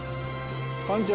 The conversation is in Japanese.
こんにちは。